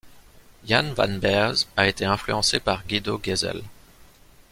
Jan van Beers a été influencé par Guido Gezelle.